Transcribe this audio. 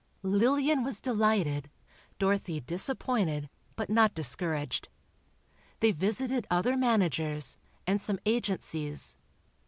Lillian was delighted, Dorothy disappointed but not discouraged. They visited other managers, and some agencies.